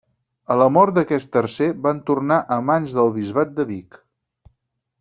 A la mort d’aquest tercer van tornar a mans del bisbat de Vic.